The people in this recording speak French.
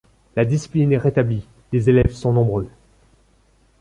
La discipline est rétablie, les élèves sont nombreux.